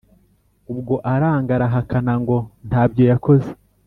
Ubwo aranga arahakana ngo ntabyo yakoze